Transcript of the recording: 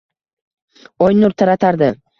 Oy nur taratardi.